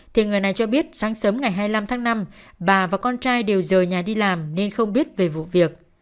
thì người này cho biết sáng sớm ngày hai mươi năm tháng năm bà và con trai đều rời nhà đi làm nên không biết về vụ việc